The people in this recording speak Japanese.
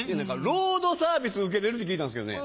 ロードサービス受けれるって聞いたんですけどね。